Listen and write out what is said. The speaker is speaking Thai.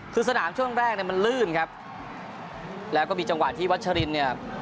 คือสนามช่วงแรกเนี่ยมันลื่นครับแล้วก็มีจังหวะที่วัชรินเนี่ย